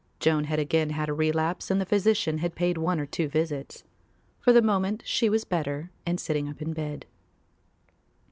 Joan had again had a relapse and the physician had paid one or two visits. For the moment she was better and sitting up in bed.